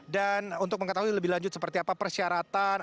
dan untuk mengetahui lebih lanjut seperti apa persyaratan